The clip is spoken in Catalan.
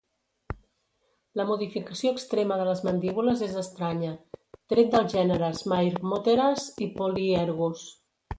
La modificació extrema de les mandíbules és estranya, tret dels gèneres "Myrmoteras" i "Polyergus".